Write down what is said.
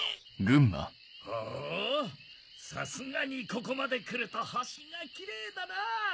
ほぉさすがにここまで来ると星がきれいだなぁ。